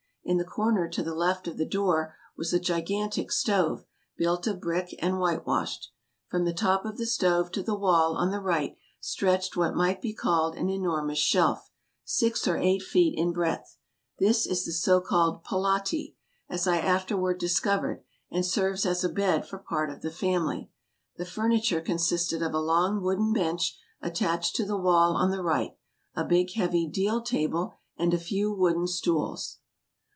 In the corner to the left of the door was a gigantic stove, built of brick, and whitewashed. From the top of the stove to the wall on the right stretched what might be called an enormous shelf, six or eight feet in breadth. This is the so called palati, as I afterward discov ered, and serves as a bed for part of the family. The furni ture consisted of a long wooden bench attached to the wall on the right, a big, heavy deal table, and a few wooden stools.